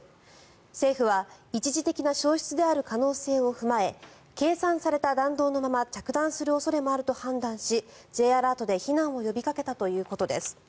政府は一時的な消失である可能性を踏まえ計算された弾道のまま着弾する恐れもあると判断しＪアラートで避難を呼びかけたということです。